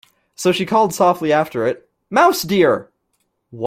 So she called softly after it, ‘Mouse dear!’